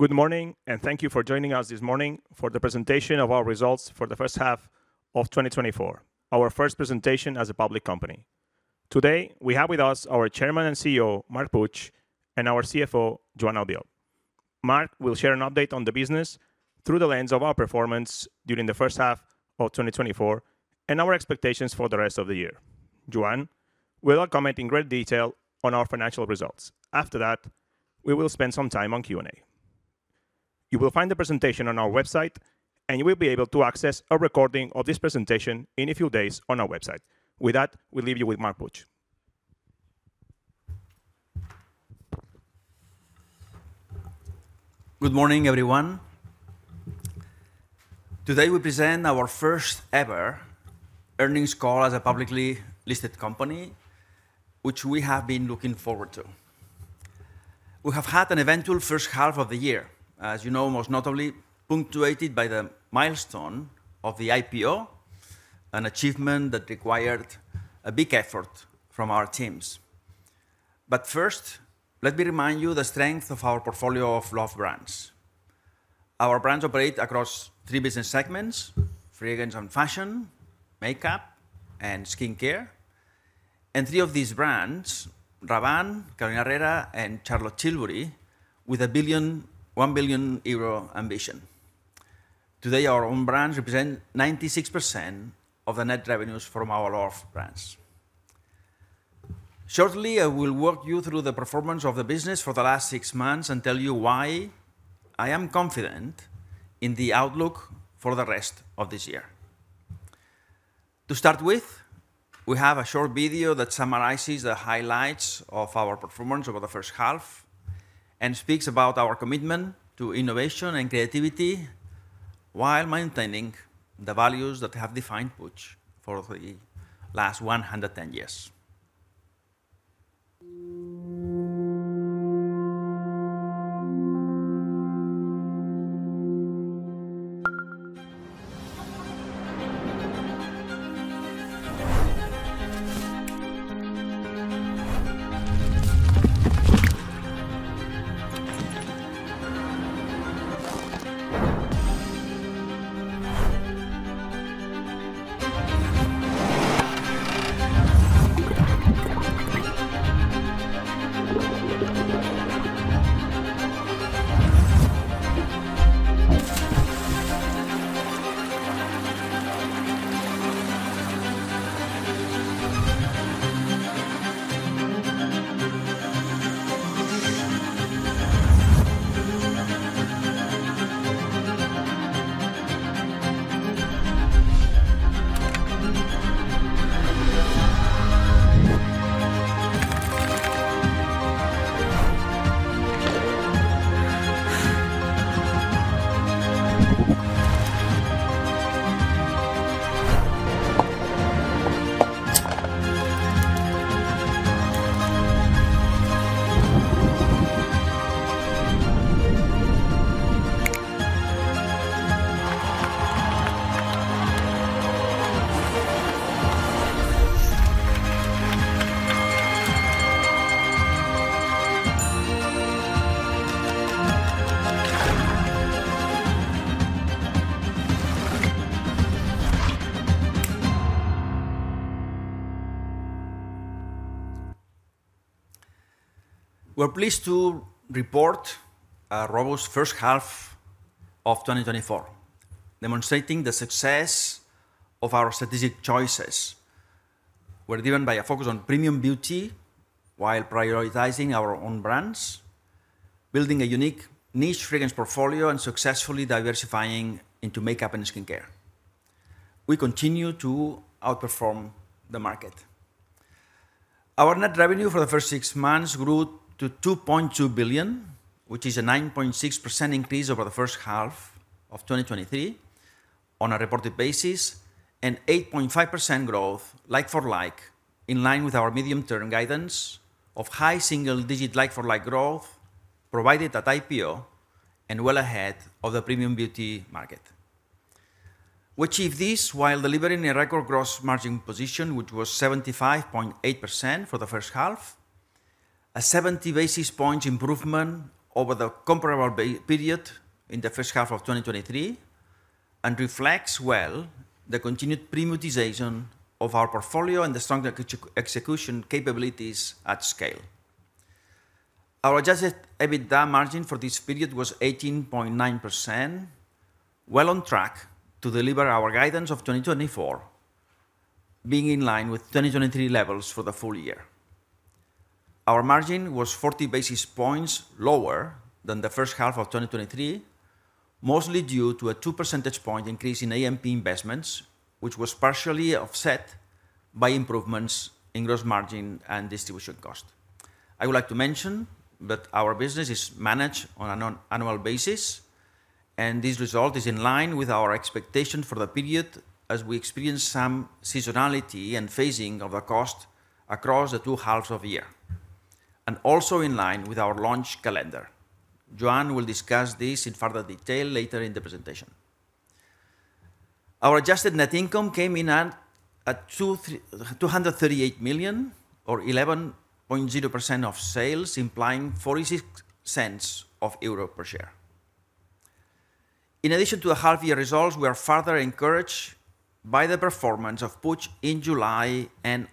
Good morning, and thank you for joining us this morning for the presentation of our results for the first half of 2024, our first presentation as a public company. Today, we have with us our Chairman and CEO, Marc Puig, and our CFO, Joan Albiol. Marc will share an update on the business through the lens of our performance during the first half of 2024 and our expectations for the rest of the year. Joan will now comment in great detail on our financial results. After that, we will spend some time on Q&A. You will find the presentation on our website, and you will be able to access a recording of this presentation in a few days on our website. With that, we leave you with Marc Puig. Good morning, everyone. Today, we present our first-ever earnings call as a publicly listed company, which we have been looking forward to. We have had an eventful first half of the year, as you know, most notably punctuated by the milestone of the IPO, an achievement that required a big effort from our teams. But first, let me remind you the strength of our portfolio of Love Brands. Our brands operate across three business segments: fragrance and fashion, makeup, and skincare. And three of these brands, Rabanne, Carolina Herrera, and Charlotte Tilbury, with a billion, 1 billion euro ambition. Today, our own brands represent 96% of the net revenues from our Love Brands. Shortly, I will walk you through the performance of the business for the last six months and tell you why I am confident in the outlook for the rest of this year. To start with, we have a short video that summarizes the highlights of our performance over the first half and speaks about our commitment to innovation and creativity while maintaining the values that have defined Puig for the last 110 years. We're pleased to report a robust first half of 2024, demonstrating the success of our strategic choices. We're driven by a focus on premium beauty while prioritizing our own brands, building a unique niche fragrance portfolio, and successfully diversifying into makeup and skincare. We continue to outperform the market. Our net revenue for the first six months grew to 2.2 billion, which is a 9.6% increase over the first half of 2023 on a reported basis, and 8.5% growth like-for-like, in line with our medium-term guidance of high single-digit like-for-like growth provided at IPO and well ahead of the premium beauty market. We achieved this while delivering a record gross margin position, which was 75.8% for the first half, a 70 basis points improvement over the comparable period in the first half of 2023, and reflects well the continued premiumization of our portfolio and the stronger execution capabilities at scale. Our adjusted EBITDA margin for this period was 18.9%, well on track to deliver our guidance of 2024, being in line with 2023 levels for the full year. Our margin was 40 basis points lower than the first half of 2023, mostly due to a two percentage point increase in AMP investments, which was partially offset by improvements in gross margin and distribution cost. I would like to mention that our business is managed on an annual basis, and this result is in line with our expectation for the period as we experience some seasonality and phasing of the cost across the two halves of the year, and also in line with our launch calendar. Joan will discuss this in further detail later in the presentation. Our adjusted net income came in at 238 million, or 11.0% of sales, implying 0.46 per share. In addition to the half-year results, we are further encouraged by the performance of Puig in July and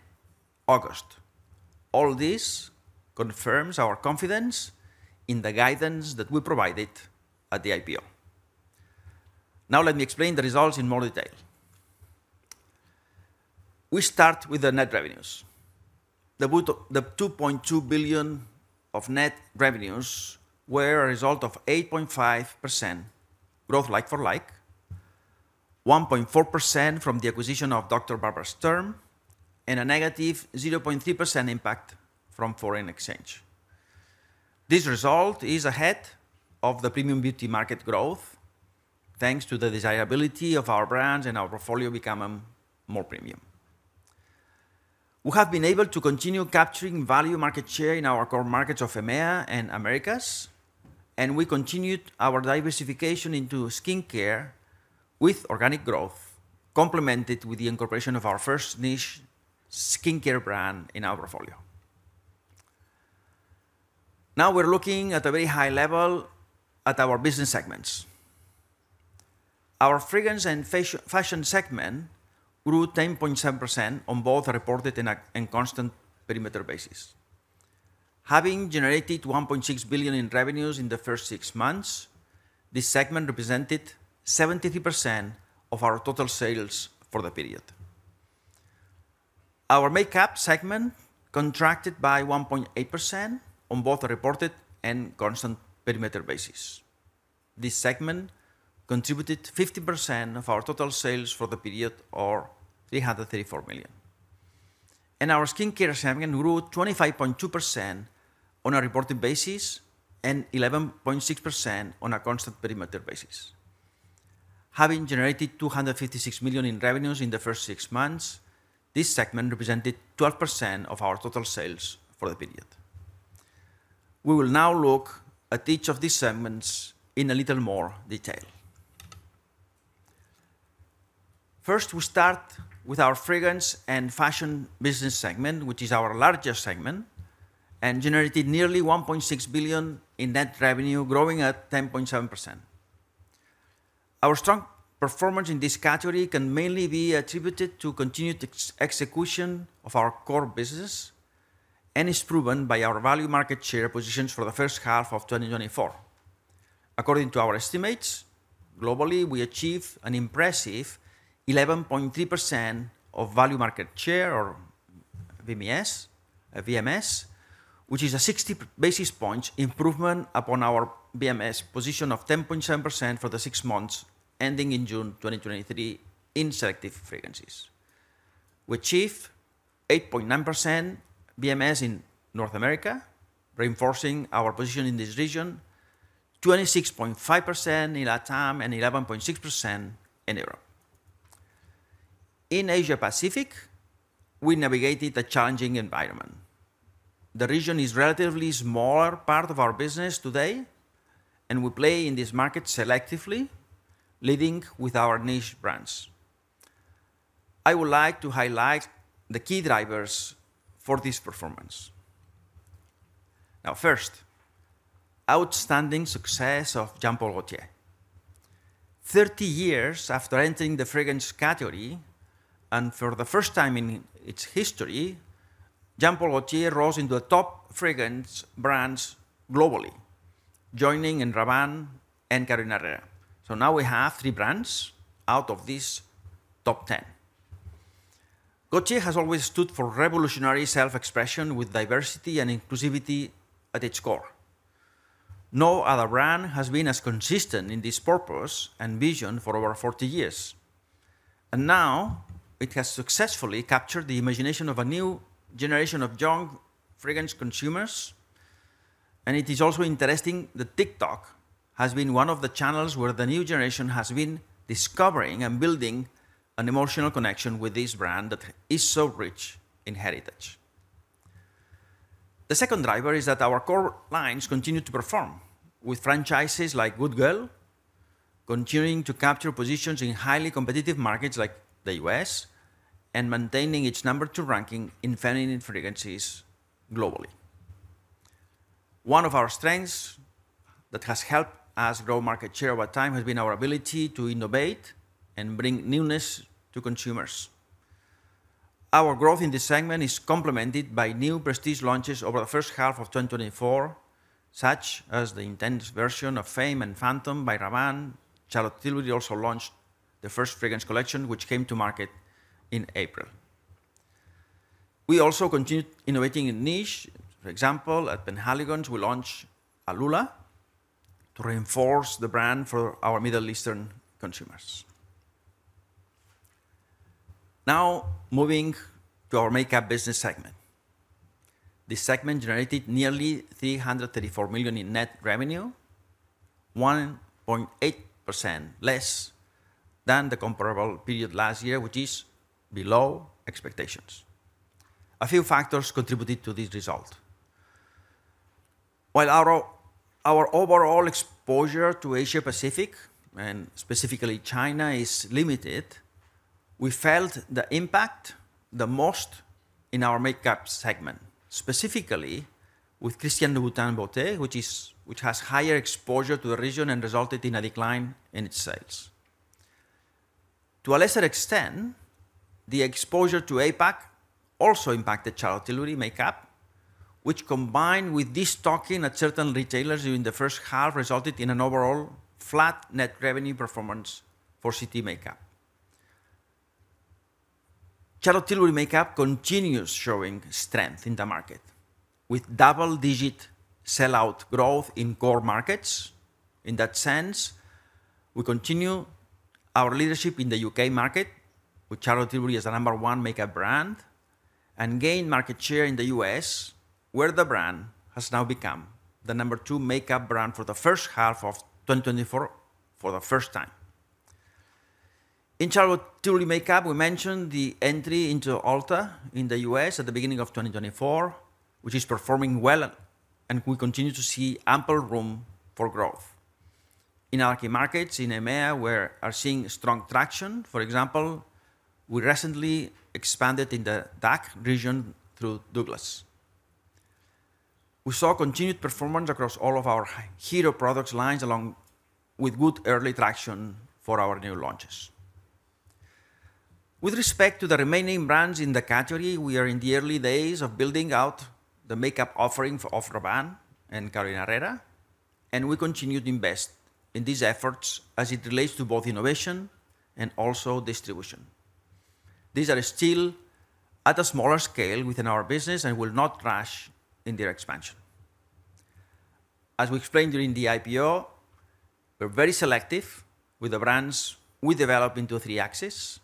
August. All this confirms our confidence in the guidance that we provided at the IPO. Now let me explain the results in more detail. We start with the net revenues. The 2.2 billion of net revenues were a result of 8.5% growth like for like, 1.4% from the acquisition of Dr. Barbara Sturm, and a negative 0.3% impact from foreign exchange. This result is ahead of the premium beauty market growth, thanks to the desirability of our brands and our portfolio becoming more premium. We have been able to continue capturing value market share in our core markets of EMEA and Americas, and we continued our diversification into skincare with organic growth, complemented with the incorporation of our first niche skincare brand in our portfolio. Now we're looking at a very high level at our business segments. Our fragrance and fashion segment grew 10.7% on both reported and constant perimeter basis. Having generated 1.6 billion in revenues in the first six months, this segment represented 73% of our total sales for the period. Our makeup segment contracted by 1.8% on both reported and constant perimeter basis. This segment contributed 50% of our total sales for the period, or 334 million. Our skincare segment grew 25.2% on a reported basis and 11.6% on a constant perimeter basis. Having generated 256 million in revenues in the first six months, this segment represented 12% of our total sales for the period. We will now look at each of these segments in a little more detail. First, we start with our fragrance and fashion business segment, which is our largest segment, and generated nearly 1.6 billion in net revenue, growing at 10.7%. Our strong performance in this category can mainly be attributed to continued execution of our core business and is proven by our value market share positions for the first half of 2024. According to our estimates, globally, we achieved an impressive 11.3% of value market share, or VMS, VMS, which is a sixty basis points improvement upon our VMS position of 10.7% for the six months ending in June 2023 in selective fragrances. We achieved 8.9% VMS in North America, reinforcing our position in this region, 26.5% in LATAM, and 11.6% in Europe. In Asia Pacific, we navigated a challenging environment. The region is relatively smaller part of our business today, and we play in this market selectively, leading with our niche brands. I would like to highlight the key drivers for this performance. Now, first, outstanding success of Jean-Paul Gaultier. Thirty years after entering the fragrance category, and for the first time in its history, Jean-Paul Gaultier rose into the top fragrance brands globally, joining Rabanne and Carolina Herrera. So now we have three brands out of this top 10. Gaultier has always stood for revolutionary self-expression with diversity and inclusivity at its core. No other brand has been as consistent in this purpose and vision for over 40 years, and now it has successfully captured the imagination of a new generation of young fragrance consumers. It is also interesting that TikTok has been one of the channels where the new generation has been discovering and building an emotional connection with this brand that is so rich in heritage. The second driver is that our core lines continue to perform, with franchises like Good Girl continuing to capture positions in highly competitive markets like the U.S. and maintaining its number two ranking in feminine fragrances globally. One of our strengths that has helped us grow market share over time has been our ability to innovate and bring newness to consumers. Our growth in this segment is complemented by new prestige launches over the first half of 2024, such as the intense version of Fame and Phantom by Rabanne. Charlotte Tilbury also launched the first fragrance collection, which came to market in April. We also continued innovating in niche. For example, at Penhaligon's, we launched Alula to reinforce the brand for our Middle Eastern consumers. Now, moving to our makeup business segment. This segment generated nearly 334 million in net revenue, 1.8% less than the comparable period last year, which is below expectations. A few factors contributed to this result, while our overall exposure to Asia Pacific, and specifically China, is limited, we felt the impact the most in our makeup segment, specifically with Christian Louboutin beauty, which has higher exposure to the region and resulted in a decline in its sales. To a lesser extent, the exposure to APAC also impacted Charlotte Tilbury makeup, which combined with destocking at certain retailers during the first half, resulted in an overall flat net revenue performance for CT makeup. Charlotte Tilbury makeup continues showing strength in the market, with double-digit sell-out growth in core markets. In that sense, we continue our leadership in the U.K. market, with Charlotte Tilbury as the number one makeup brand, and gain market share in the U.S., where the brand has now become the number two makeup brand for the first half of 2024 for the first time. In Charlotte Tilbury makeup, we mentioned the entry into Ulta in the U.S. at the beginning of 2024, which is performing well, and we continue to see ample room for growth. In our key markets in EMEA, we are seeing strong traction. For example, we recently expanded in the DACH region through Douglas. We saw continued performance across all of our hero products lines, along with good early traction for our new launches. With respect to the remaining brands in the category, we are in the early days of building out the makeup offering for Rabanne and Carolina Herrera, and we continue to invest in these efforts as it relates to both innovation and also distribution. These are still at a smaller scale within our business and will not rush in their expansion. As we explained during the IPO, we're very selective with the brands we develop into three axes,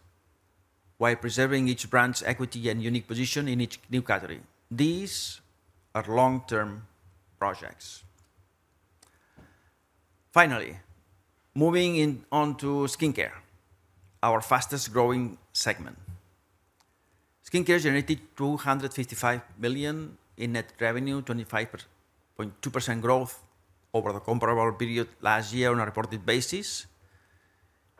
while preserving each brand's equity and unique position in each new category. These are long-term projects. Finally, moving onto skincare, our fastest-growing segment. Skincare generated 255 million in net revenue, 25.2% growth over the comparable period last year on a reported basis.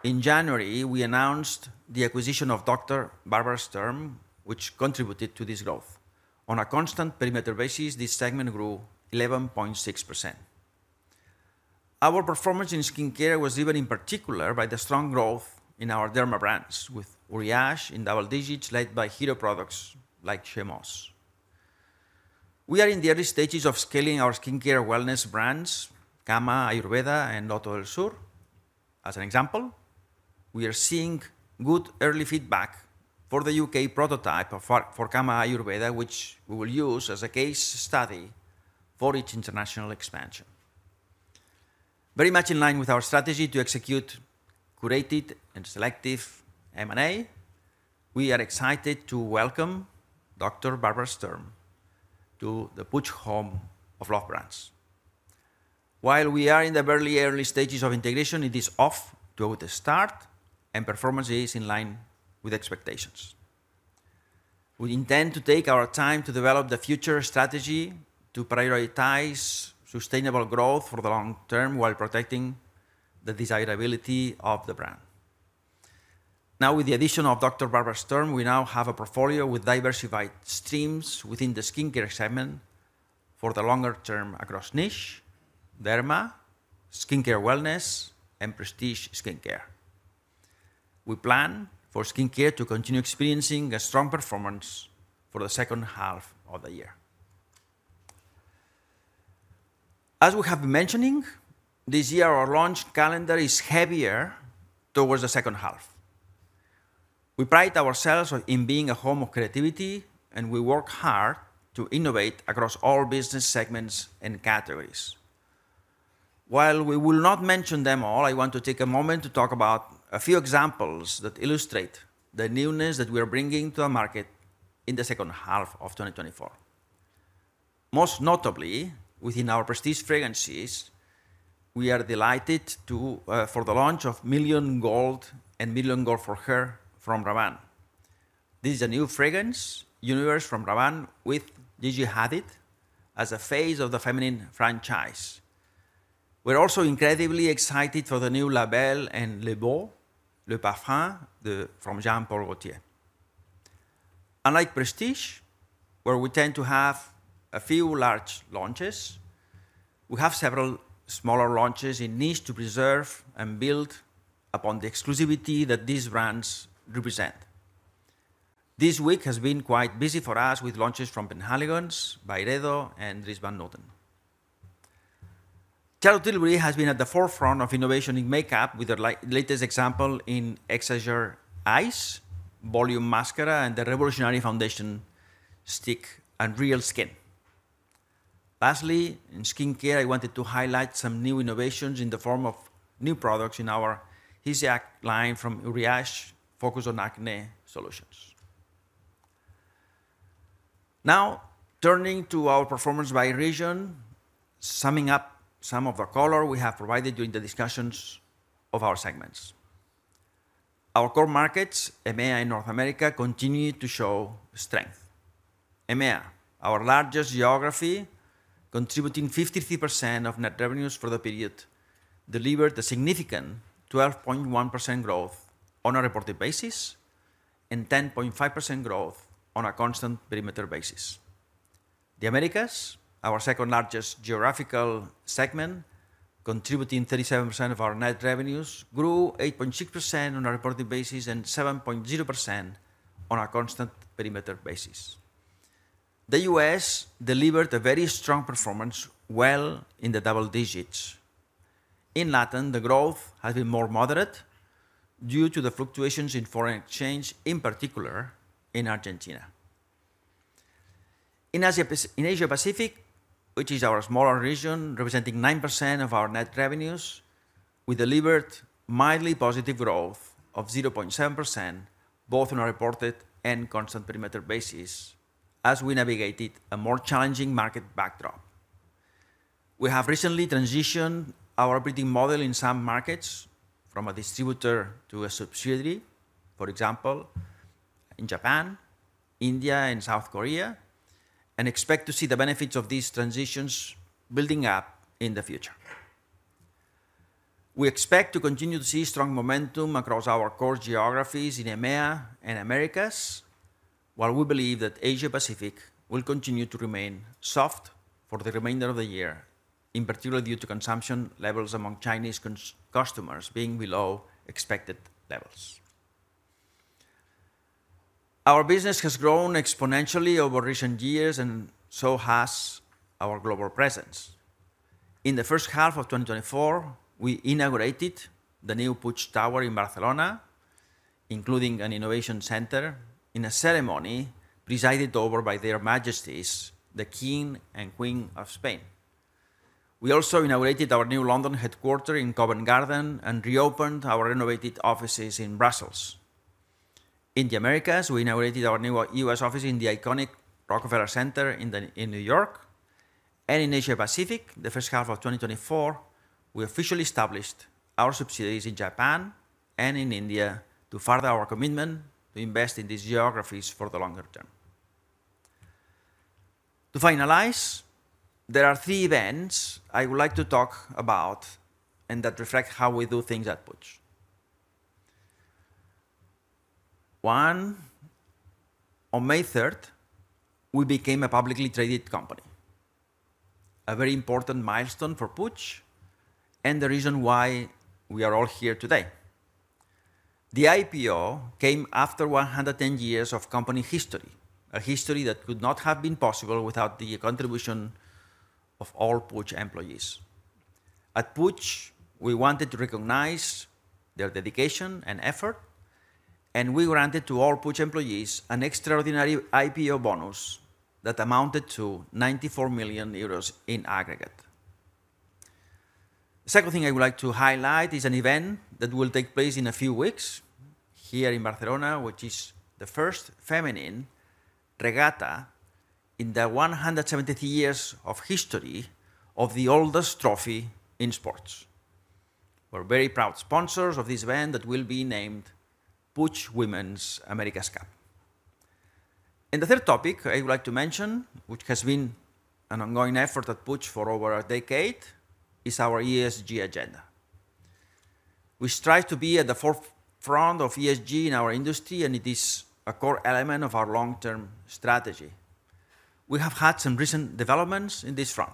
In January, we announced the acquisition of Dr. Barbara Sturm, which contributed to this growth. On a constant perimeter basis, this segment grew 11.6%. Our performance in skincare was driven in particular by the strong growth in our derma brands, with Uriage in double digits, led by hero products like XÉMOSE. We are in the early stages of scaling our skincare wellness brands, Kama Ayurveda and Loto del Sur. As an example, we are seeing good early feedback for the U.K. prototype for Kama Ayurveda, which we will use as a case study for its international expansion. Very much in line with our strategy to execute curated and selective M&A, we are excited to welcome Dr. Barbara Sturm to the Puig home of Love Brands. While we are in the very early stages of integration, it is off to a good start, and performance is in line with expectations. We intend to take our time to develop the future strategy to prioritize sustainable growth for the long term while protecting the desirability of the brand. Now, with the addition of Dr. Barbara Sturm, we now have a portfolio with diversified streams within the skincare segment for the longer term across niche, derma, skincare wellness, and prestige skincare. We plan for skincare to continue experiencing a strong performance for the second half of the year. As we have been mentioning, this year our launch calendar is heavier towards the second half. We pride ourselves on being a home of creativity, and we work hard to innovate across all business segments and categories. While we will not mention them all, I want to take a moment to talk about a few examples that illustrate the newness that we are bringing to the market in the second half of 2024. Most notably, within our prestige fragrances, we are delighted for the launch of Million Gold and Million Gold for Her from Rabanne. This is a new fragrance universe from Rabanne with Gigi Hadid as a face of the feminine franchise. We're also incredibly excited for the new La Belle and Le Beau Le Parfum from Jean-Paul Gaultier. Unlike prestige, where we tend to have a few large launches, we have several smaller launches in niche to preserve and build upon the exclusivity that these brands represent. This week has been quite busy for us, with launches from Penhaligon's, Byredo, and Dries Van Noten. Charlotte Tilbury has been at the forefront of innovation in makeup, with the latest example in Exagger-Eyes Volume Mascara and the revolutionary foundation stick, Unreal Skin. Lastly, in skincare, I wanted to highlight some new innovations in the form of new products in our HYSÉAC line from Uriage, focused on acne solutions. Now, turning to our performance by region, summing up some of the color we have provided during the discussions of our segments. Our core markets, EMEA and North America, continue to show strength. EMEA, our largest geography, contributing 53% of net revenues for the period, delivered a significant 12.1% growth on a reported basis and 10.5% growth on a constant perimeter basis. The Americas, our second-largest geographical segment, contributing 37% of our net revenues, grew 8.6% on a reported basis and 7.0% on a constant perimeter basis. The U.S. delivered a very strong performance well in the double digits. In Latin, the growth has been more moderate due to the fluctuations in foreign exchange, in particular in Argentina. In Asia Pacific, which is our smaller region, representing 9% of our net revenues, we delivered mildly positive growth of 0.7%, both on a reported and constant perimeter basis, as we navigated a more challenging market backdrop. We have recently transitioned our operating model in some markets from a distributor to a subsidiary, for example, in Japan, India, and South Korea, and expect to see the benefits of these transitions building up in the future. We expect to continue to see strong momentum across our core geographies in EMEA and Americas, while we believe that Asia Pacific will continue to remain soft for the remainder of the year, in particular due to consumption levels among Chinese customers being below expected levels. Our business has grown exponentially over recent years, and so has our global presence. In the first half of 2024, we inaugurated the new Puig Tower in Barcelona, including an innovation center, in a ceremony presided over by Their Majesties, the King and Queen of Spain. We also inaugurated our new London headquarters in Covent Garden and reopened our renovated offices in Brussels. In the Americas, we inaugurated our new U.S. office in the iconic Rockefeller Center in New York. In Asia Pacific, the first half of 2024, we officially established our subsidiaries in Japan and in India to further our commitment to invest in these geographies for the longer term. To finalize, there are three events I would like to talk about and that reflect how we do things at Puig. One, on May third, we became a publicly traded company, a very important milestone for Puig and the reason why we are all here today. The IPO came after 110 years of company history, a history that could not have been possible without the contribution of all Puig employees. At Puig, we wanted to recognize their dedication and effort, and we granted to all Puig employees an extraordinary IPO bonus that amounted to 94 million euros in aggregate. The second thing I would like to highlight is an event that will take place in a few weeks here in Barcelona, which is the first feminine regatta in the 170 years of history of the oldest trophy in sports. We're very proud sponsors of this event that will be named Puig Women's America's Cup. And the third topic I would like to mention, which has been an ongoing effort at Puig for over a decade, is our ESG agenda. We strive to be at the forefront of ESG in our industry, and it is a core element of our long-term strategy. We have had some recent developments in this front.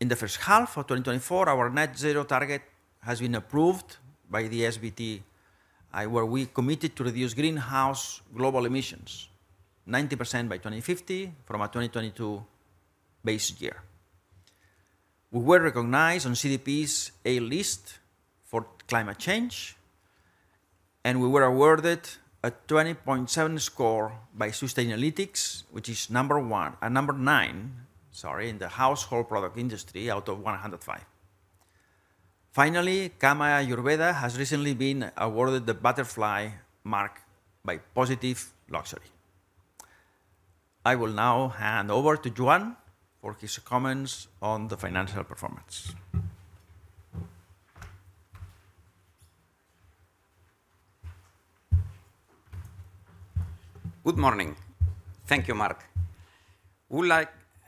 In the first half of 2024, our net zero target has been approved by the SBTi, where we committed to reduce greenhouse global emissions 90% by 2050 from a 2022 base year. We were recognized on CDP's A list for climate change, and we were awarded a 20.7 score by Sustainalytics, which is number nine, sorry, in the household product industry out of 105. Finally, Kama Ayurveda has recently been awarded the Butterfly Mark by Positive Luxury. I will now hand over to Joan for his comments on the financial performance. Good morning. Thank you, Marc.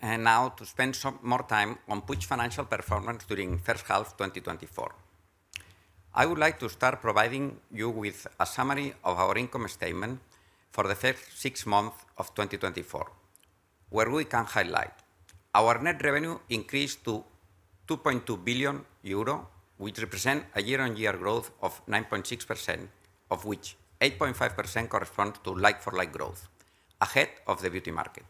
Would like now to spend some more time on Puig's financial performance during first half 2024. I would like to start providing you with a summary of our income statement for the first six months of 2024, where we can highlight our net revenue increased to 2.2 billion euro, which represent a year-on-year growth of 9.6%, of which 8.5% corresponds to like-for-like growth, ahead of the beauty market.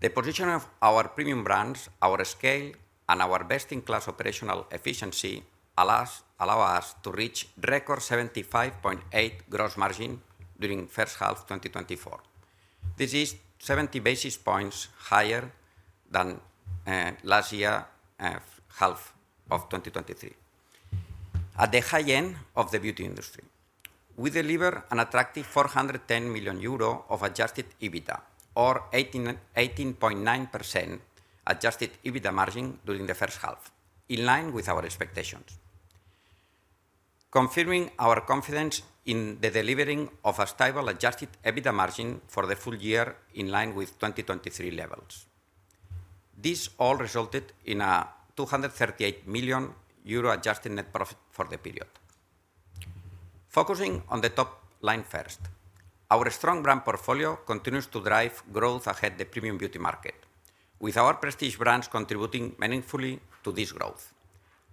The position of our premium brands, our scale, and our best-in-class operational efficiency allow us to reach record 75.8 gross margin during first half 2024. This is 70 basis points higher than last year, half of 2023. At the high end of the beauty industry, we deliver an attractive 410 million euro of adjusted EBITDA, or 18, 18.9% adjusted EBITDA margin during the first half, in line with our expectations, confirming our confidence in the delivering of a stable adjusted EBITDA margin for the full year, in line with 2023 levels. This all resulted in a 238 million euro adjusted net profit for the period. Focusing on the top line first, our strong brand portfolio continues to drive growth ahead the premium beauty market, with our prestige brands contributing meaningfully to this growth.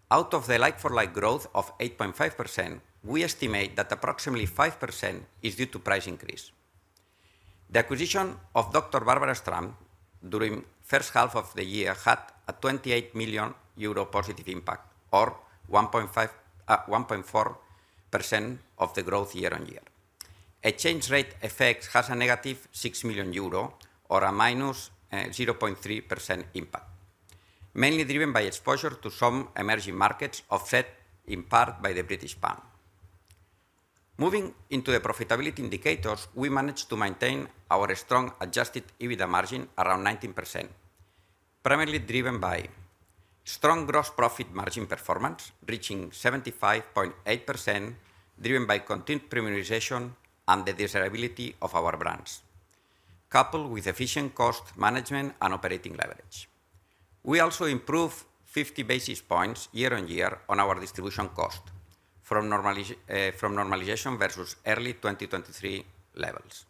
Out of the like-for-like growth of 8.5%, we estimate that approximately 5% is due to price increase. The acquisition of Dr. Barbara Sturm. During first half of the year had a 28 million euro positive impact, or 1.5, 1.4% of the growth year on year. An exchange rate effect has a negative 6 million euro or a -0.3% impact, mainly driven by exposure to some emerging markets, offset in part by the British pound. Moving into the profitability indicators, we managed to maintain our strong adjusted EBITDA margin around 19%, primarily driven by strong gross profit margin performance, reaching 75.8%, driven by continued premiumization and the desirability of our brands, coupled with efficient cost management and operating leverage. We also improved 50 basis points year on year on our distribution cost from normalization versus early 2023 levels.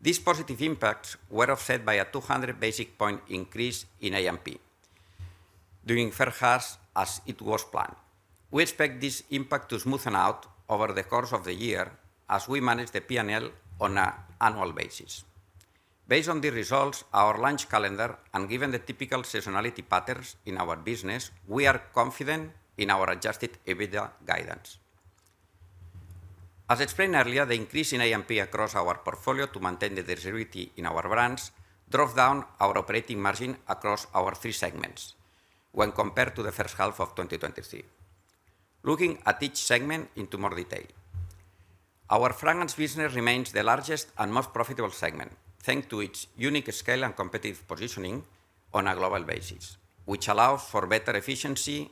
These positive impacts were offset by a 200 basis points increase in AMP during the first half, as it was planned. We expect this impact to smoothen out over the course of the year as we manage the P&L on an annual basis. Based on the results, our launch calendar, and given the typical seasonality patterns in our business, we are confident in our adjusted EBITDA guidance. As explained earlier, the increase in AMP across our portfolio to maintain the desirability in our brands drove down our operating margin across our three segments when compared to the first half of 2023. Looking at each segment in more detail. Our fragrance business remains the largest and most profitable segment, thanks to its unique scale and competitive positioning on a global basis, which allows for better efficiency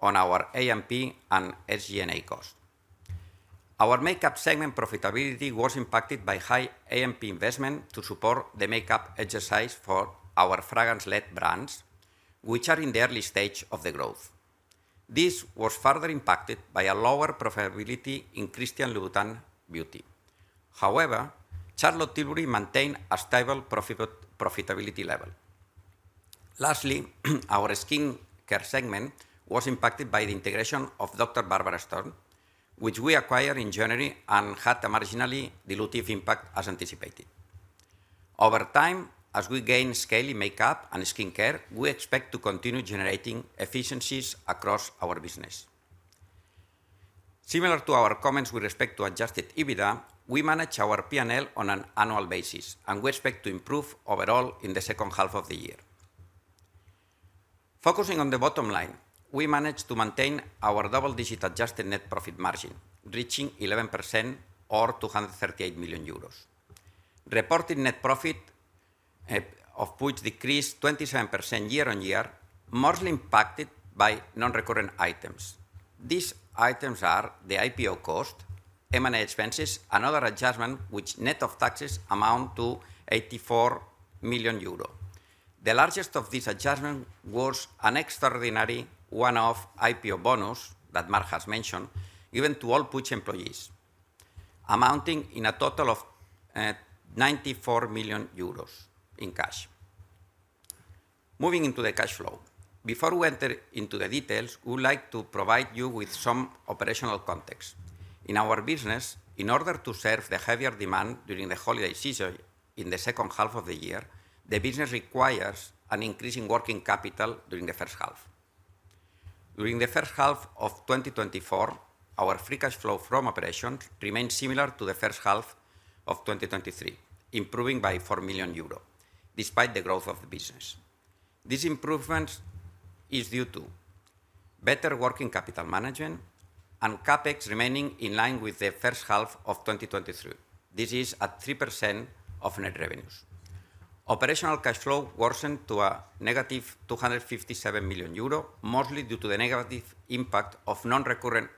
on our AMP and SG&A cost. Our makeup segment profitability was impacted by high AMP investment to support the makeup exercise for our fragrance-led brands, which are in the early stage of the growth. This was further impacted by a lower profitability in Christian Louboutin beauty. However, Charlotte Tilbury maintained a stable profitability level. Lastly, our skin care segment was impacted by the integration of Dr. Barbara Sturm, which we acquired in January and had a marginally dilutive impact, as anticipated. Over time, as we gain scale in makeup and skincare, we expect to continue generating efficiencies across our business. Similar to our comments with respect to adjusted EBITDA, we manage our P&L on an annual basis, and we expect to improve overall in the second half of the year. Focusing on the bottom line, we managed to maintain our double-digit adjusted net profit margin, reaching 11% or 238 million euros. Reported net profit of Puig decreased 27% year on year, mostly impacted by non-recurring items. These items are the IPO cost, M&A expenses, and other adjustment, which net of taxes amount to 84 million euro. The largest of this adjustment was an extraordinary one-off IPO bonus that Marc has mentioned, given to all Puig employees, amounting in a total of 94 million euros in cash. Moving into the cash flow. Before we enter into the details, we would like to provide you with some operational context. In our business, in order to serve the heavier demand during the holiday season in the second half of the year, the business requires an increase in working capital during the first half. During the first half of 2024, our free cash flow from operations remained similar to the first half of 2023, improving by 4 million euros, despite the growth of the business. This improvement is due to better working capital management and CapEx remaining in line with the first half of 2023. This is at 3% of net revenues. Operational cash flow worsened to a negative 257 million euro, mostly due to the negative impact of non-recurrent,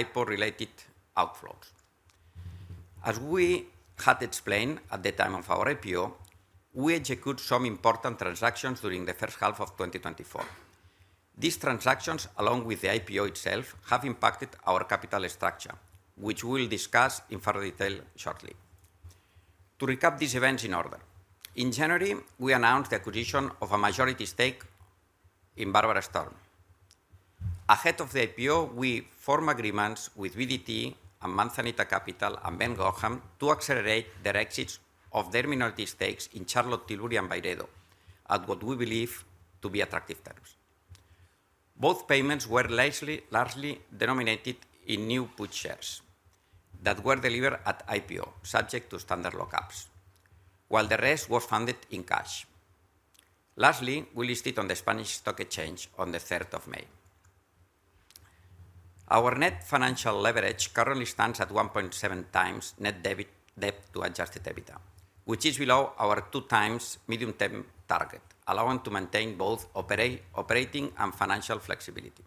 IPO-related outflows. As we had explained at the time of our IPO, we executed some important transactions during the first half of 2024. These transactions, along with the IPO itself, have impacted our capital structure, which we'll discuss in further detail shortly. To recap these events in order: In January, we announced the acquisition of a majority stake in Dr. Barbara Sturm. Ahead of the IPO, we form agreements with BDT and Manzanita Capital and Ben Gorham to accelerate their exits of their minority stakes in Charlotte Tilbury and Byredo at what we believe to be attractive terms. Both payments were largely denominated in new Puig shares that were delivered at IPO, subject to standard lock-ups, while the rest was funded in cash. Lastly, we listed on the Spanish stock exchange on the third of May. Our net financial leverage currently stands at 1.7x net debt to adjusted EBITDA, which is below our 2x medium-term target, allowing to maintain both operating and financial flexibility.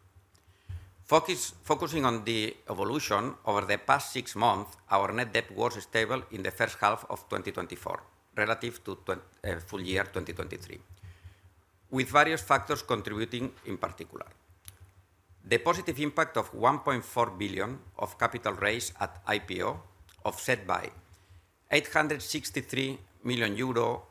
Focusing on the evolution over the past six months, our net debt was stable in the first half of 2024 relative to full-year 2023, with various factors contributing in particular. The positive impact of 1.4 billion of capital raised at IPO, offset by 863 million euro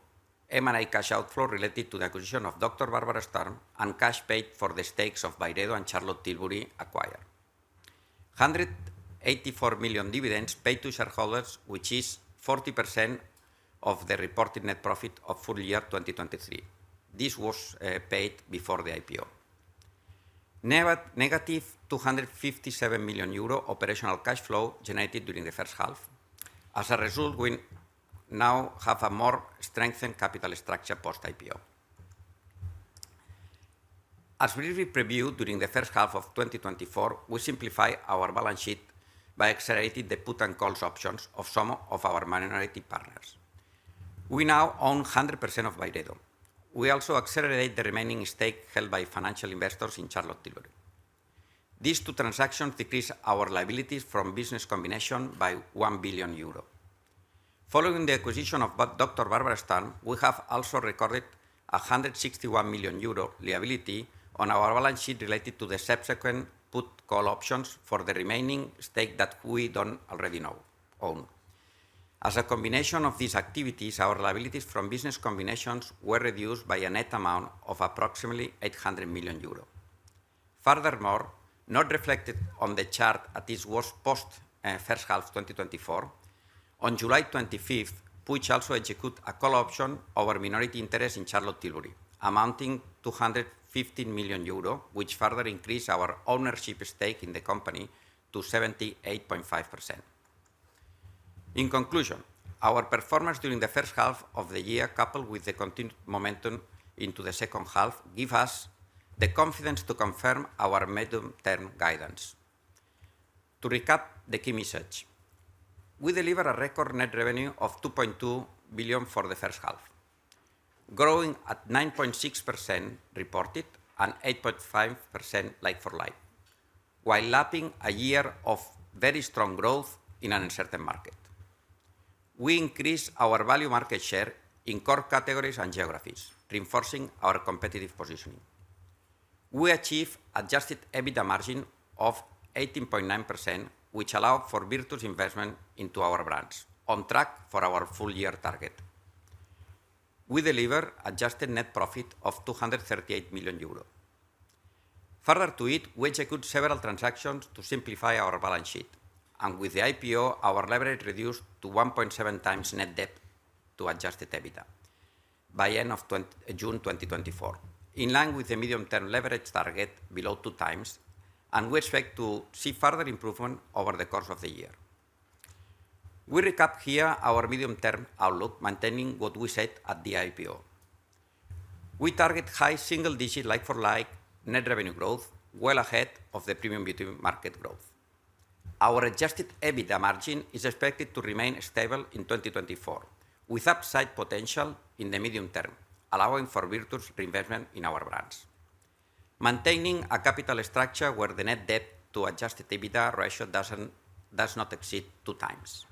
M&A cash outflow related to the acquisition of Dr. Barbara Sturm and cash paid for the stakes of Byredo and Charlotte Tilbury acquired. 184 million dividends paid to shareholders, which is 40% of the reported net profit of full-year 2023. This was paid before the IPO. Negative 257 million euro operational cash flow generated during the first half. As a result, we now have a more strengthened capital structure post-IPO. As we previously previewed during the first half of 2024, we simplify our balance sheet by accelerating the put and call options of some of our minority partners. We now own 100% of Byredo. We also accelerate the remaining stake held by financial investors in Charlotte Tilbury. These two transactions decrease our liabilities from business combination by 1 billion euro. Following the acquisition of Dr. Barbara Sturm, we have also recorded a 161 million euro liability on our balance sheet related to the subsequent put call options for the remaining stake that we don't already own. As a combination of these activities, our liabilities from business combinations were reduced by a net amount of approximately 800 million euros. Furthermore, not reflected on the chart as this was post first half 2024, on July 25th, Puig also execute a call option over minority interest in Charlotte Tilbury, amounting to 250 million euro, which further increase our ownership stake in the company to 78.5%. In conclusion, our performance during the first half of the year, coupled with the continued momentum into the second half, give us the confidence to confirm our medium-term guidance. To recap the key message, we deliver a record net revenue of 2.2 billion for the first half, growing at 9.6% reported and 8.5% like-for-like, while lapping a year of very strong growth in an uncertain market. We increased our value market share in core categories and geographies, reinforcing our competitive positioning. We achieve adjusted EBITDA margin of 18.9%, which allow for virtuous investment into our brands, on track for our full year target. We deliver adjusted net profit of 238 million euro. Further to it, we execute several transactions to simplify our balance sheet, and with the IPO, our leverage reduced to 1.7x net debt to adjusted EBITDA by end of June 2024, in line with the medium-term leverage target below 2x, and we expect to see further improvement over the course of the year. We recap here our medium-term outlook, maintaining what we said at the IPO. We target high single digit like-for-like net revenue growth, well ahead of the premium beauty market growth. Our adjusted EBITDA margin is expected to remain stable in 2024, with upside potential in the medium term, allowing for virtuous reinvestment in our brands. Maintaining a capital structure where the net debt to adjusted EBITDA ratio does not exceed 2x.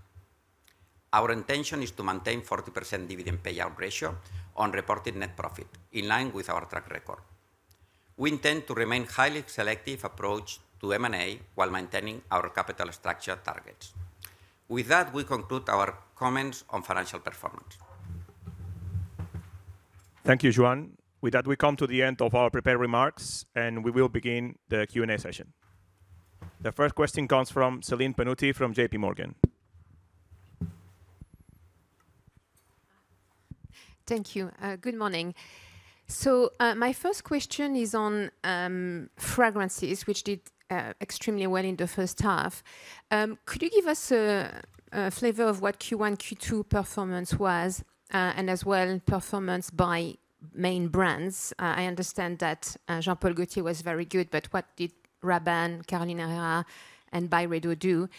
Our intention is to maintain 40% dividend payout ratio on reported net profit, in line with our track record. We intend to remain highly selective approach to M&A while maintaining our capital structure targets. With that, we conclude our comments on financial performance. Thank you, Joan. With that, we come to the end of our prepared remarks, and we will begin the Q&A session. The first question comes from Celine Pannuti from JPMorgan. Thank you. Good morning. My first question is on fragrances, which did extremely well in the first half. Could you give us a flavor of what Q1, Q2 performance was, and as well, performance by main brands? I understand that Jean-Paul Gaultier was very good, but what did Rabanne, Carolina Herrera, and Byredo do?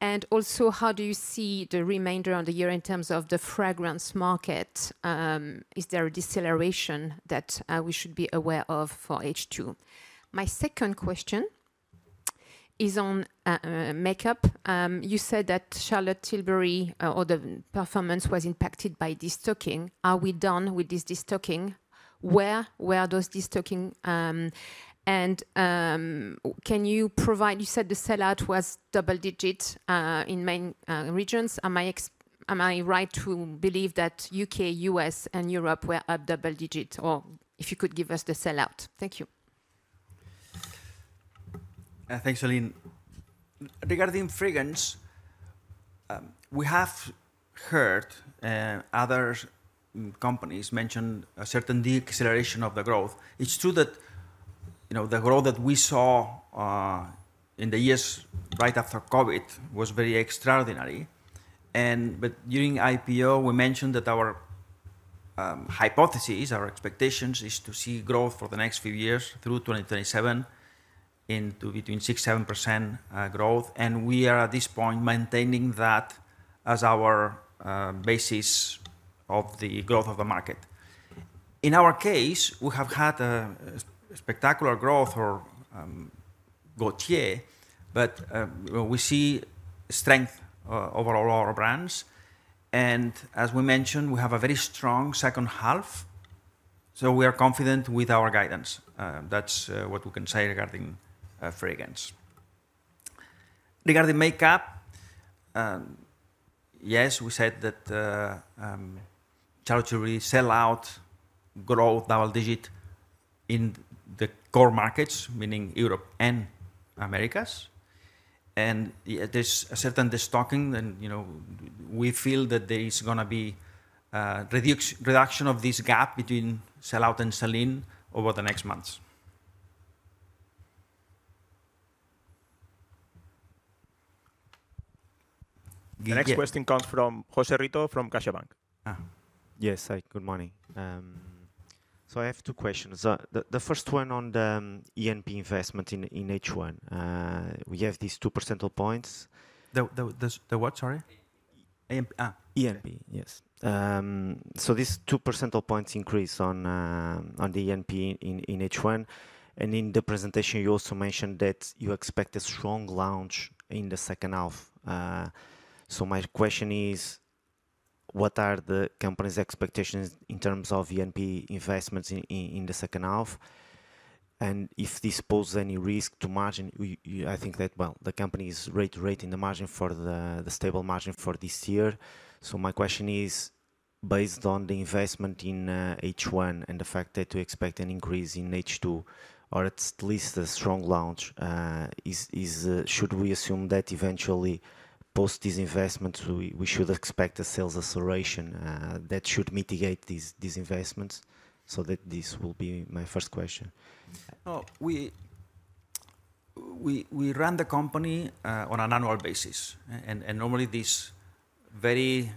And also, how do you see the remainder of the year in terms of the fragrance market? Is there a deceleration that we should be aware of for H2? My second question is on makeup. You said that Charlotte Tilbury or the performance was impacted by destocking. Are we done with this destocking? Where were those destocking, and can you provide... You said the sellout was double digits in main regions. Am I right to believe that U.K., U.S., and Europe were at double digits? Or, if you could give us the sellout? Thank you. Thanks, Celine. Regarding fragrance, we have heard other companies mention a certain deceleration of the growth. It's true that, you know, the growth that we saw in the years right after COVID was very extraordinary, and but during IPO, we mentioned that our-... hypothesis, our expectations is to see growth for the next few years through 2027 between 6%-7% growth. And we are at this point maintaining that as our basis of the growth of the market. In our case, we have had a spectacular growth for Gaultier, but we see strength over all our brands, and as we mentioned, we have a very strong second half, so we are confident with our guidance. That's what we can say regarding fragrance. Regarding makeup, yes, we said that Charlotte sell-out growth double-digit in the core markets, meaning Europe and Americas, and there's a certain destocking, then, you know, we feel that there is gonna be reduction of this gap between sell-out and sell-in over the next months. The next question comes from Jose Rito from CaixaBank. Ah, yes. Hi, good morning. I have two questions. The first one on the AMP investment in H1. We have these two percentage points- What? Sorry? AMP, yes. So this two percentage points increase on the AMP in H1, and in the presentation you also mentioned that you expect a strong launch in the second half. So my question is, what are the company's expectations in terms of AMP investments in the second half? And if this poses any risk to margin. I think that the company is guiding for the stable margin for this year. So my question is, based on the investment in H1, and the fact that we expect an increase in H2, or at least a strong launch. Should we assume that eventually after these investments, we should expect a sales acceleration that should mitigate these investments? So that this will be my first question. Oh, we run the company on an annual basis. And normally this very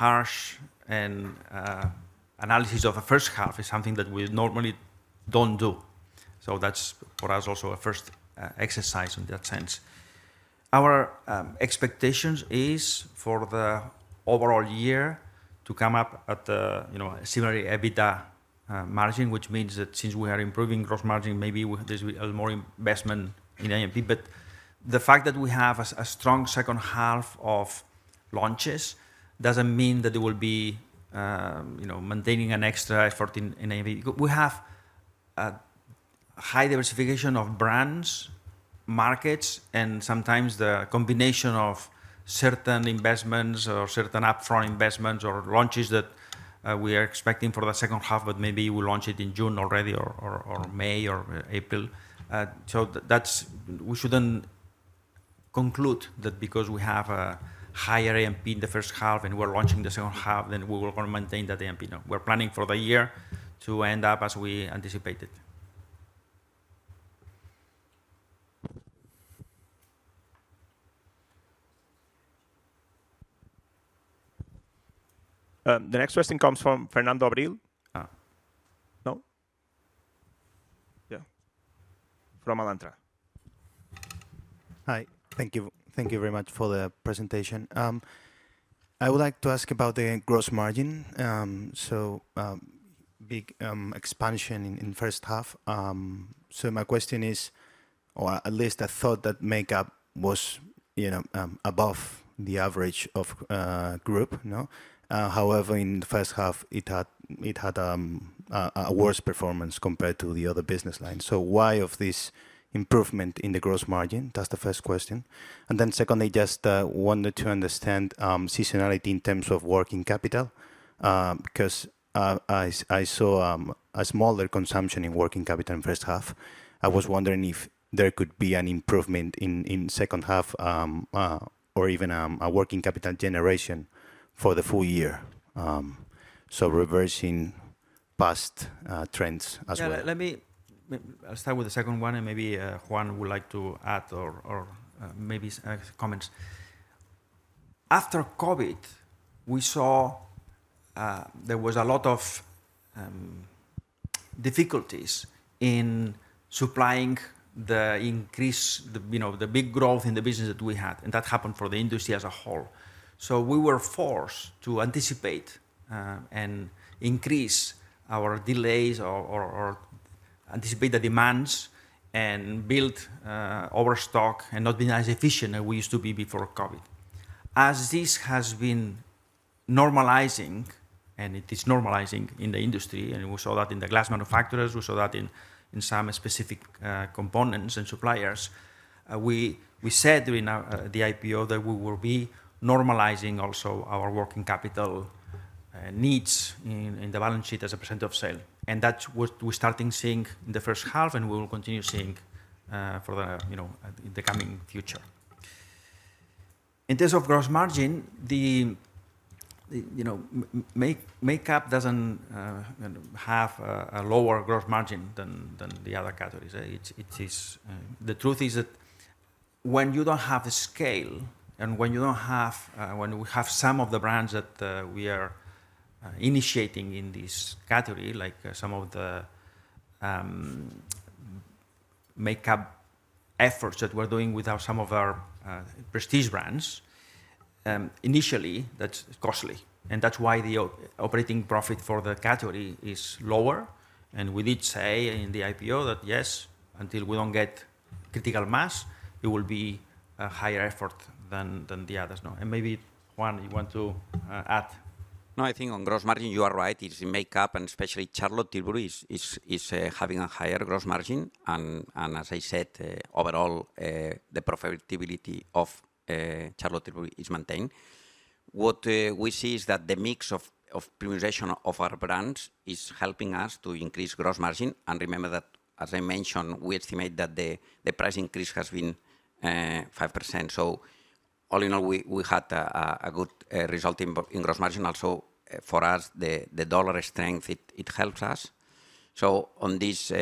harsh analysis of a first half is something that we normally don't do. So that's for us, also a first exercise in that sense. Our expectations is for the overall year to come up at a, you know, a similar EBITDA margin, which means that since we are improving gross margin, maybe there's a more investment in AMP. But the fact that we have a strong second half of launches doesn't mean that there will be, you know, maintaining an extra effort in AMP. We have a high diversification of brands, markets, and sometimes the combination of certain investments or certain upfront investments or launches that we are expecting for the second half, but maybe we'll launch it in June already, or May, or April. So that's - we shouldn't conclude that because we have a higher AMP in the first half and we're launching the second half, then we will gonna maintain that AMP. No, we're planning for the year to end up as we anticipated. The next question comes from Fernando Abril. Ah. No? Yeah. From Alantra. Hi. Thank you. Thank you very much for the presentation. I would like to ask about the gross margin. So, big expansion in first half. So my question is, or at least I thought that makeup was, you know, above the average of group, no? However, in the first half, it had a worse performance compared to the other business lines. So why of this improvement in the gross margin? That's the first question. And then secondly, just wanted to understand seasonality in terms of working capital. Because I saw a smaller consumption in working capital in first half. I was wondering if there could be an improvement in second half, or even a working capital generation for the full year. So reversing past trends as well. Yeah, let me, I'll start with the second one, and maybe, Joan would like to add or, maybe some comments. After COVID, we saw there was a lot of difficulties in supplying the increase, the, you know, the big growth in the business that we had, and that happened for the industry as a whole. So we were forced to anticipate and increase our delays or anticipate the demands and build overstock and not be as efficient as we used to be before COVID. As this has been normalizing, and it is normalizing in the industry, and we saw that in the glass manufacturers, we saw that in some specific components and suppliers. We said during our IPO that we will be normalizing also our working capital needs in the balance sheet as a percent of sale, and that's what we're starting seeing in the first half, and we will continue seeing, you know, in the coming future. In terms of gross margin, the makeup doesn't have a lower gross margin than the other categories. It is. The truth is that when you don't have the scale, and when we have some of the brands that we are initiating in this category, like some of the makeup efforts that we're doing with our some of our prestige brands, initially, that's costly, and that's why the operating profit for the category is lower. And we did say in the IPO that, yes, until we don't get critical mass, it will be a higher effort than the others. No, and maybe, Joan, you want to add? No, I think on gross margin, you are right. It's in makeup, and especially Charlotte Tilbury is having a higher gross margin. And as I said, overall, the profitability of Charlotte Tilbury is maintained. What we see is that the mix of prioritization of our brands is helping us to increase gross margin. And remember that, as I mentioned, we estimate that the price increase has been 5%. So all in all, we had a good result in gross margin. Also, for us, the dollar strength, it helps us. So on this,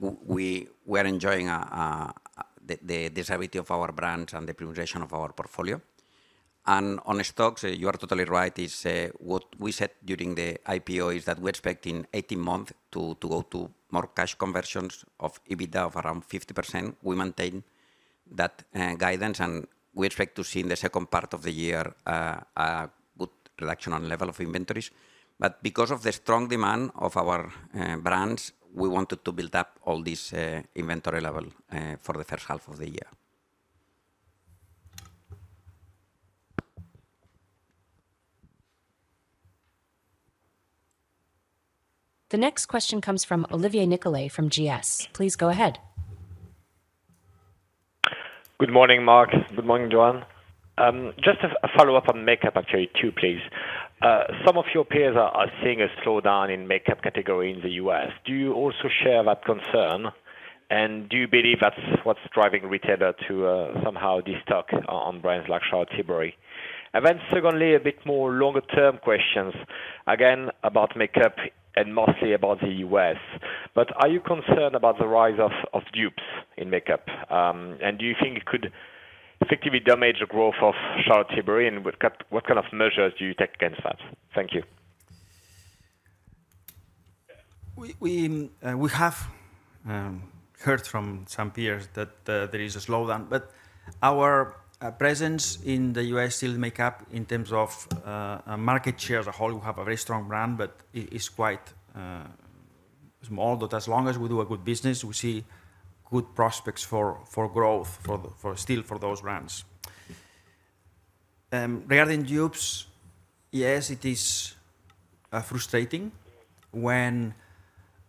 we are enjoying the desirability of our brands and the prioritization of our portfolio. And on stocks, you are totally right. What we said during the IPO is that we expect in 18 months to go to more cash conversions of EBITDA of around 50%. We maintain that guidance, and we expect to see in the second part of the year a good reduction on level of inventories. But because of the strong demand of our brands, we wanted to build up all this inventory level for the first half of the year. The next question comes from Olivier Nicolaï, from GS. Please go ahead. Good morning, Marc. Good morning, Joan. Just a follow-up on makeup, actually, too, please. Some of your peers are seeing a slowdown in makeup category in the U.S. Do you also share that concern, and do you believe that's what's driving retailer to somehow destock on brands like Charlotte Tilbury? And then secondly, a bit more longer term questions, again, about makeup and mostly about the U.S. But are you concerned about the rise of dupes in makeup? And do you think it could effectively damage the growth of Charlotte Tilbury, and what kind of measures do you take against that? Thank you. We have heard from some peers that there is a slowdown, but our presence in the U.S. still make up in terms of market share as a whole. We have a very strong brand, but it is quite small. But as long as we do a good business, we see good prospects for growth for those brands. Regarding dupes, yes, it is frustrating when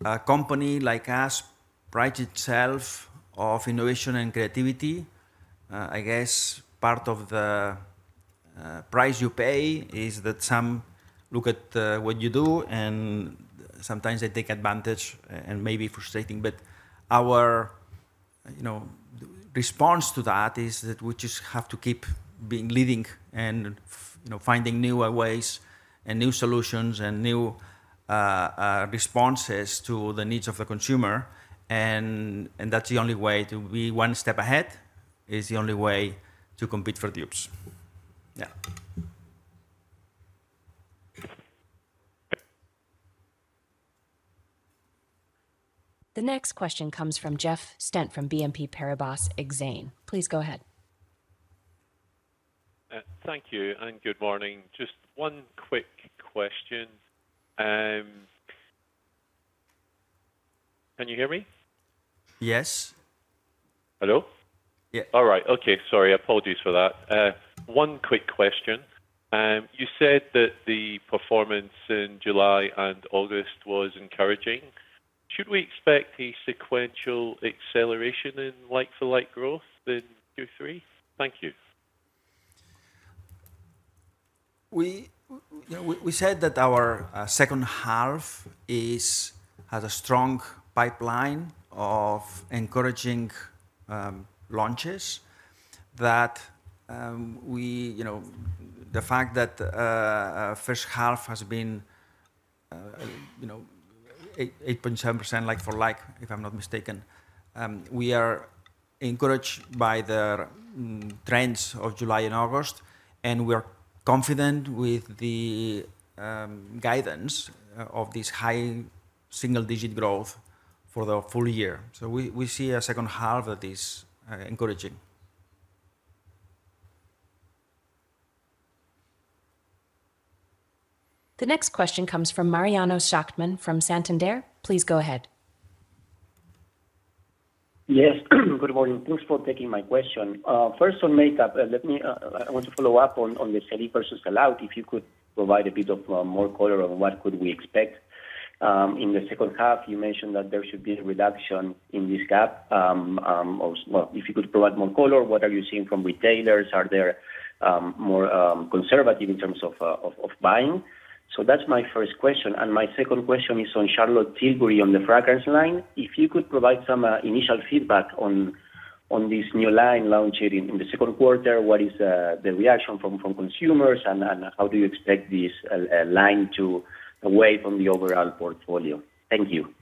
a company like us prides itself of innovation and creativity. I guess part of the price you pay is that some look at what you do, and sometimes they take advantage, and may be frustrating. But our, you know, response to that is that we just have to keep being leading and, you know, finding newer ways and new solutions and new responses to the needs of the consumer, and that's the only way to be one step ahead, is the only way to compete for dupes. Yeah. The next question comes from Jeff Stent, from BNP Paribas Exane. Please go ahead. Thank you, and good morning. Just one quick question. Can you hear me? Yes. Hello? Yeah. All right. Okay, sorry, apologies for that. One quick question. You said that the performance in July and August was encouraging. Should we expect a sequential acceleration in like-for-like growth in Q3? Thank you. Yeah, we said that our second half has a strong pipeline of encouraging launches that, you know, the fact that our first half has been, you know, 8.7% like-for-like, if I'm not mistaken. We are encouraged by the trends of July and August, and we are confident with the guidance of this high single-digit growth for the full year. So we see a second half that is encouraging. The next question comes from Mariano Szachtman from Santander. Please go ahead. Yes. Good morning. Thanks for taking my question. First on makeup, let me, I want to follow up on the Coty versus L'Oréal, if you could provide a bit of more color on what could we expect in the second half. You mentioned that there should be a reduction in this gap. Or well, if you could provide more color, what are you seeing from retailers? Are they more conservative in terms of buying? So that's my first question, and my second question is on Charlotte Tilbury, on the fragrance line. If you could provide some initial feedback on this new line launched in the second quarter, what is the reaction from consumers, and how do you expect this line to weight from the overall portfolio? Thank you.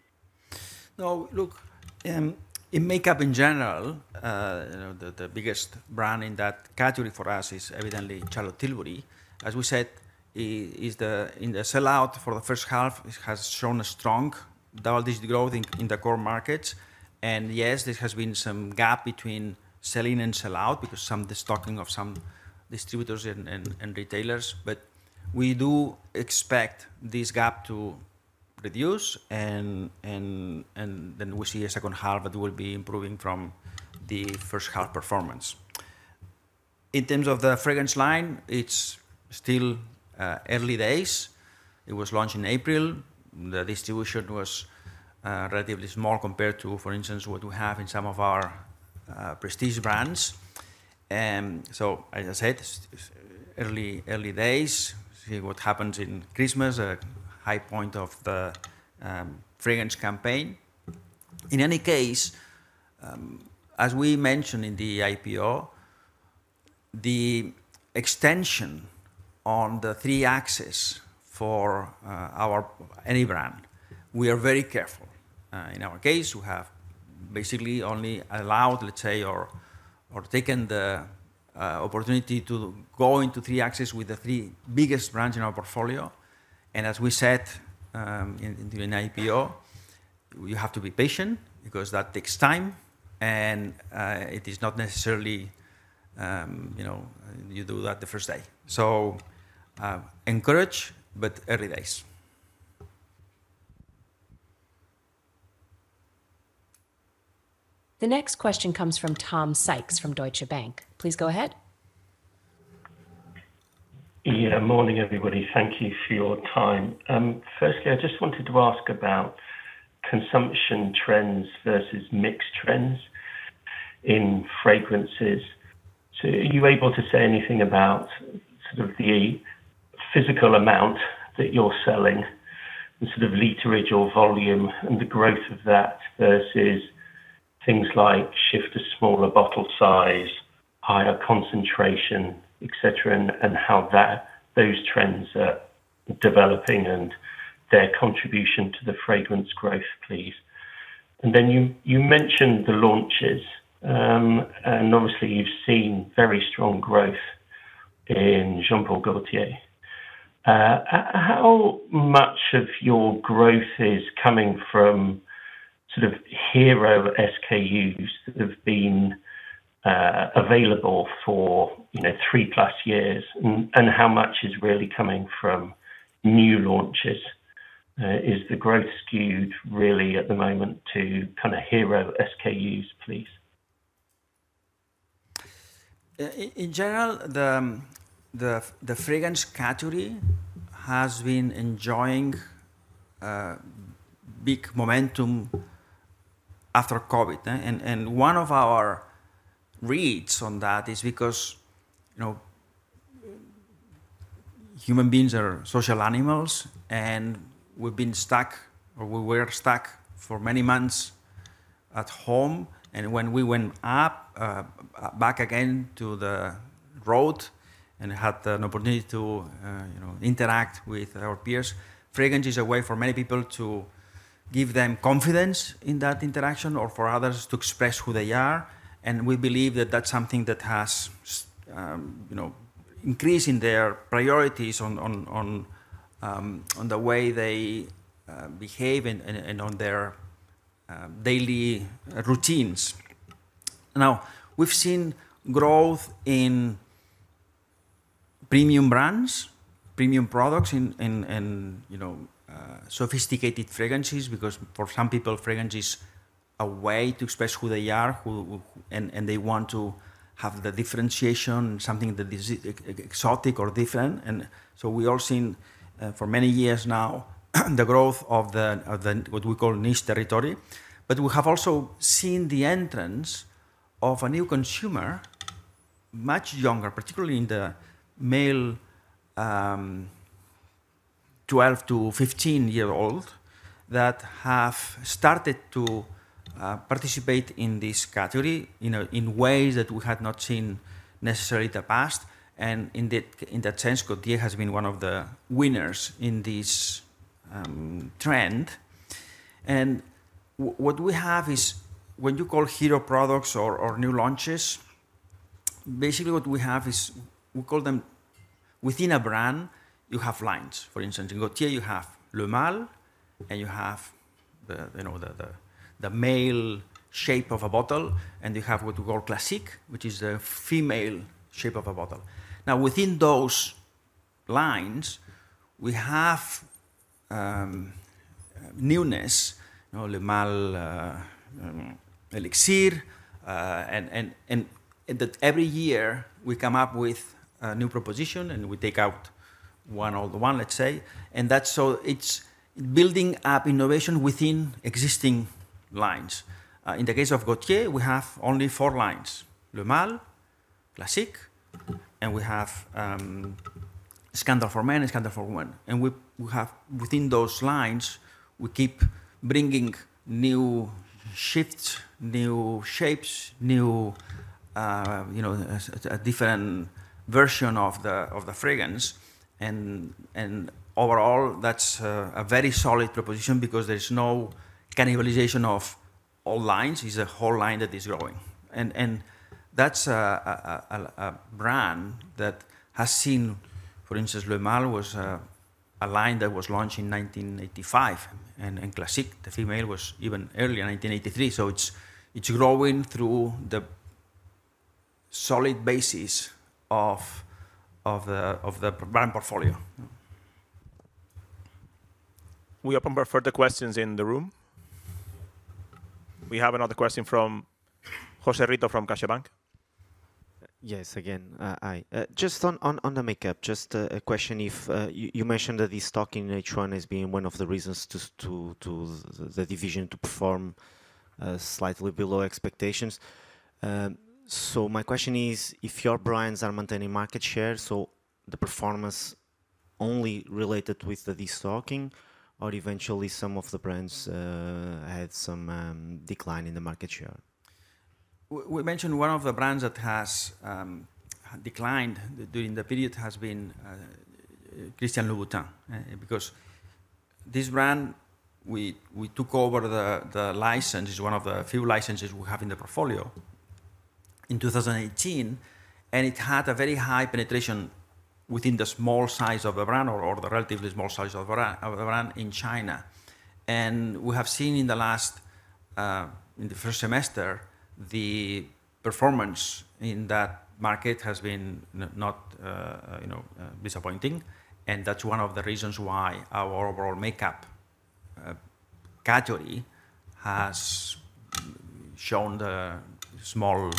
...Now, look, in makeup in general, you know, the biggest brand in that category for us is evidently Charlotte Tilbury. As we said, in the sellout for the first half, it has shown a strong double-digit growth in the core markets. And yes, there has been some gap between sell-in and sell-out because some destocking of some distributors and retailers. But we do expect this gap to reduce and then we see a second half that will be improving from the first half performance. In terms of the fragrance line, it's still early days. It was launched in April. The distribution was relatively small compared to, for instance, what we have in some of our prestige brands. So as I said, early days. See what happens in Christmas, a high point of the, fragrance campaign. In any case, as we mentioned in the IPO, the extension on the three axes for, any brand, we are very careful. In our case, we have basically only allowed, let's say, or taken the opportunity to go into three axes with the three biggest brands in our portfolio. And as we said, in the IPO, you have to be patient because that takes time and, it is not necessarily, you know, you do that the first day. So, encouraged, but early days. The next question comes from Tom Sykes from Deutsche Bank. Please go ahead. Yeah. Morning, everybody. Thank you for your time. Firstly, I just wanted to ask about consumption trends versus mixed trends in fragrances. So are you able to say anything about sort of the physical amount that you're selling and sort of literage or volume, and the growth of that versus things like shift to smaller bottle size, higher concentration, et cetera, and how those trends are developing and their contribution to the fragrance growth, please? And then you mentioned the launches, and obviously you've seen very strong growth in Jean-Paul Gaultier. How much of your growth is coming from sort of hero SKUs that have been available for, you know, 3+ years, and how much is really coming from new launches? Is the growth skewed really at the moment to kind of hero SKUs, please? In general, the fragrance category has been enjoying big momentum after COVID, and one of our reads on that is because, you know, human beings are social animals, and we've been stuck, or we were stuck for many months at home. When we went up back again to the road and had an opportunity to, you know, interact with our peers, fragrance is a way for many people to give them confidence in that interaction or for others to express who they are. We believe that that's something that has, you know, increase in their priorities on the way they behave and on their daily routines. Now, we've seen growth in premium brands, premium products, in you know, sophisticated fragrances, because for some people, fragrance is a way to express who they are, and they want to have the differentiation, something that is exotic or different. And so we've all seen for many years now, the growth of the, what we call niche territory. But we have also seen the entrance of a new consumer, much younger, particularly in the male, 12- to 15-year-old, that have started to participate in this category, you know, in ways that we had not seen necessarily in the past. And in that sense, Gaultier has been one of the winners in this trend. And what we have is when you call hero products or new launches, basically what we have is, we call them... Within a brand, you have lines. For instance, in Gaultier, you have Le Male, and you have the, you know, the male shape of a bottle, and you have what we call Classique, which is the female shape of a bottle. Now, within those lines, we have newness, you know, Le Male Elixir, and that every year we come up with a new proposition, and we take out one or the one, let's say. And that's so it's building up innovation within existing lines. In the case of Gaultier, we have only four lines: Le Male, Classique, and we have Scandal for Man and Scandal for Woman. And we have within those lines, we keep bringing new shifts, new shapes, new, you know, a different version of the fragrance. Overall, that's a very solid proposition because there's no cannibalization of all lines. It's a whole line that is growing. That's a brand that has seen, for instance, Le Male was a line that was launched in 1995, and Classique, the female, was even earlier, 1993. It's growing through the solid basis of the brand portfolio. We open for further questions in the room. We have another question from Jose Rito from CaixaBank. Yes, again, hi. Just on the makeup, a question if you mentioned that the destocking H1 has been one of the reasons to the division to perform slightly below expectations. So my question is, if your brands are maintaining market share, so the performance only related with the destocking, or eventually some of the brands had some decline in the market share? We mentioned one of the brands that has declined during the period has been Christian Louboutin because this brand we took over the license. It's one of the few licenses we have in the portfolio in 2018, and it had a very high penetration within the small size of the brand or the relatively small size of the brand in China, and we have seen in the first semester the performance in that market has been, you know, disappointing, and that's one of the reasons why our overall makeup category has shown the small,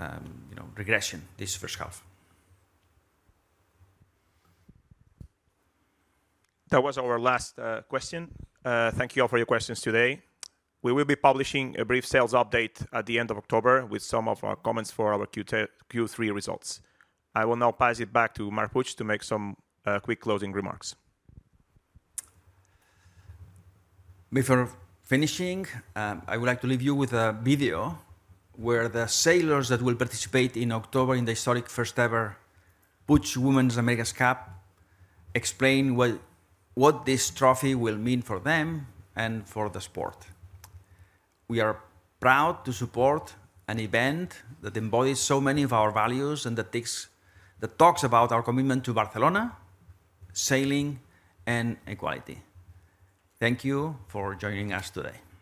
you know, regression this first half. That was our last question. Thank you all for your questions today. We will be publishing a brief sales update at the end of October with some of our comments for our Q3 results. I will now pass it back to Marc Puig to make some quick closing remarks. Before finishing, I would like to leave you with a video where the sailors that will participate in October in the historic first-ever Puig Women's America's Cup explain what this trophy will mean for them and for the sport. We are proud to support an event that embodies so many of our values and that talks about our commitment to Barcelona, sailing, and equality. Thank you for joining us today.